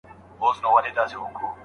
ایا ته غواړې په ساینس پوه سې؟